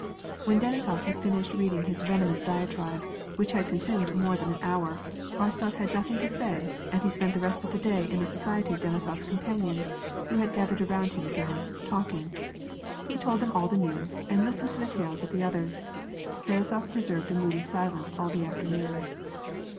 When Denisof had finished reading his venomous diatribe, which had consumed more than an hour, Rostof had nothing to say, and he spent the rest of the day in the society of Deni sofs companions, who had gathered around him again, talk ing. He told them all the news, and listened to the tales of the others. Denisof preserved a moody silence all the after noon.